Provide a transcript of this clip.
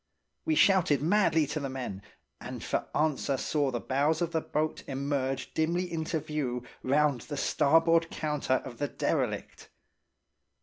We shouted madly to the men, and for answer saw the bows of the boat emerge dimly into view round the starboard counter of the derelict.